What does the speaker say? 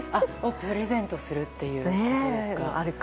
プレゼントするってことですか。